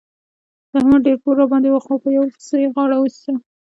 د احمد ډېر پور راباندې وو خو په یوه پسه يې غاړه وېسته.